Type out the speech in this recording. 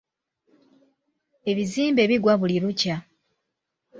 Ebizimbe bigwa buli lukya.